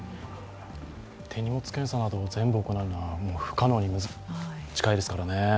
手荷物検査などを全部行うのは不可能に近いですからね。